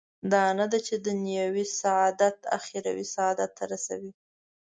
دا نه ده چې دنیوي سعادت اخروي سعادت ته رسوي.